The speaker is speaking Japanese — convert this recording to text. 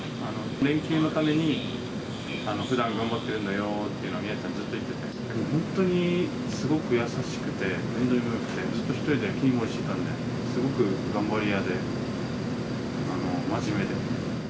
連休のために、ふだん頑張ってるのよっていうのは、美也子さんずっと言ってて、本当にすごく優しくて、面倒見もよくて、ずっと１人で切り盛りしてて、すごく頑張り屋で、真面目で。